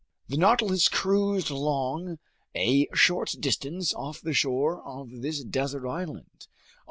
The Nautilus cruised along a short distance off the shore of this desert island.